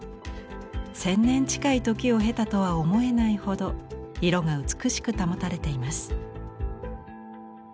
千年近い時を経たとは思えないほど色が美しく保たれています。